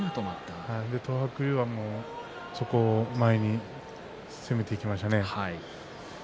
東白龍はそこを前に攻めていきましたね。